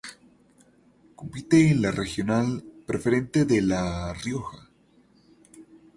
Compite en la Regional Preferente de La Rioja.